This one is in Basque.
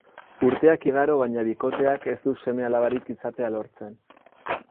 Urteak igaro baina bikoteak ez du seme-alabarik izatea lortzen.